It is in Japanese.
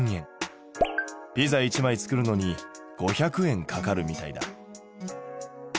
ピザ１枚作るのに５００円かかるみたいだ。